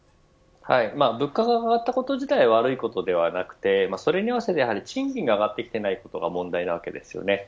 物価が上がったこと自体は悪いことではなくてそれに合わせて、やはり賃金が上がってきてないことが問題なわけですよね。